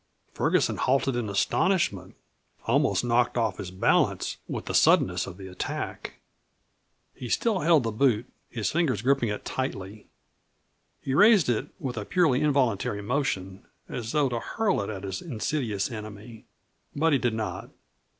Ferguson halted in astonishment, almost knocked off his balance with the suddenness of the attack. He still held the boot, his fingers gripping it tightly. He raised it, with a purely involuntary motion, as though to hurl it at his insidious enemy. But he did not.